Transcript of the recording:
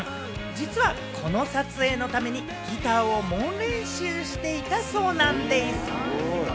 実は、この撮影のためにギターを猛練習していたそうなんでぃす。